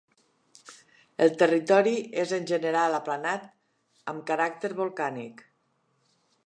El territori és en general aplanat amb caràcter volcànic.